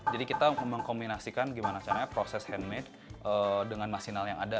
jadi kita mengkombinasikan gimana caranya proses handmade dengan masinal yang ada